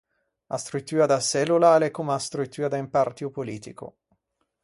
A struttua da çellola a l’é comme a struttua de un partio politico.